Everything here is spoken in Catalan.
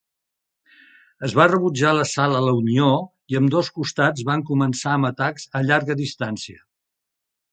Es va rebutjar l'assalt a la Unió, i ambdós costats van començar amb atacs a llarga distància.